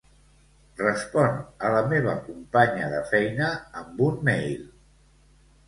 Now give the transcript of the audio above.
Respon a la meva companya de feina amb un mail.